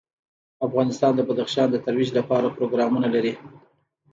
افغانستان د بدخشان د ترویج لپاره پروګرامونه لري.